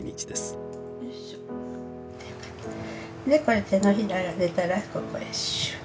でこれ手のひらが出たらここへシュッ。